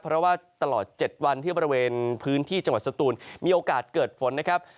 เพราะว่าตลอด๗วันที่บริเวณพื้นที่จังหวัดสตูนมีโอกาสเกิดฝนนะครับ